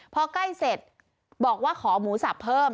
พอใกล้เสร็จบอกว่าขอหมูสับเพิ่ม